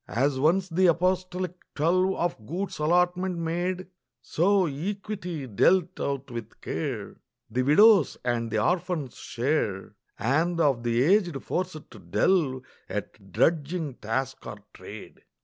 As once the apostolic twelve Of goods allotment made, So equity dealt out with care The widow's and the orphan's share, And of the aged forced to delve At drudging task or trade.